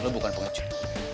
lo bukan pengecut